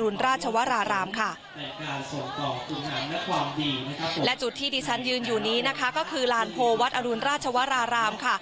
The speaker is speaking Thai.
อรุณราชวรรามค่ะจุดที่ที่ฉันยืนอยู่นี้นะคะก็คือหลานโพทวัฒน์อรุณราชวรรามค่ะ